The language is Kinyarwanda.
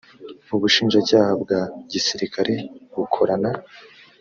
ubushinjacyaha bwa gisirikare bukorana